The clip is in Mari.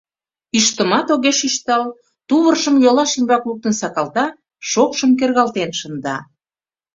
Ӱштымат огеш ӱштал, тувыржым йолаш ӱмбак луктын сакалта, шокшым кергалтен шында.